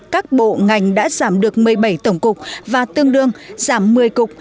các bộ ngành đã giảm được một mươi bảy tổng cục và tương đương giảm một mươi cục